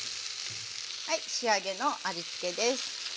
はい仕上げの味つけです。